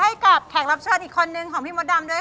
ได้ข่าวว่าจัดจ้านย่านวิพาเลย